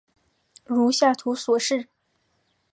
如下图所示。